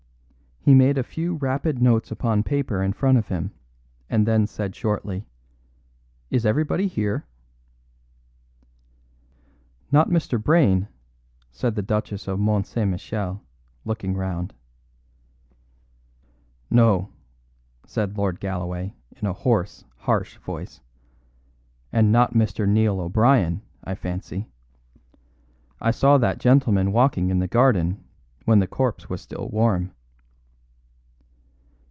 He made a few rapid notes upon paper in front of him, and then said shortly: "Is everybody here?" "Not Mr. Brayne," said the Duchess of Mont St. Michel, looking round. "No," said Lord Galloway in a hoarse, harsh voice. "And not Mr. Neil O'Brien, I fancy. I saw that gentleman walking in the garden when the corpse was still warm."